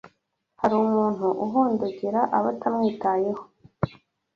hari umuntu uhondogera abatamwitayeho.